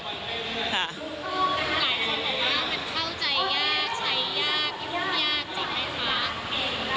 มันเข้าใจยากใช้ยากยุ่งยากจริงไหมคะ